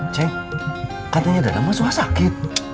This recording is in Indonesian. ceng katanya dadahmu suah sakit